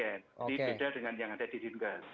jadi beda dengan yang ada di dinas